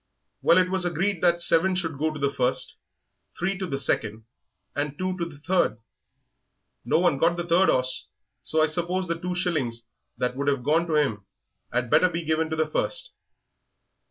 Well, it was agreed that seven should go to the first, three to the second, and two to the third. No one got the third 'orse, so I suppose the two shillings that would have gone to him 'ad better be given to the first."